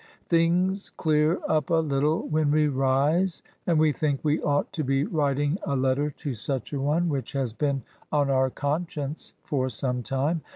Things clear up a little when we rise, and we think we ought to be writing a letter to such a one, which has been on our conscience for some time.